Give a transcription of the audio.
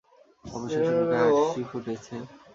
অবশেষে মুখে হাসি ফুটেছে।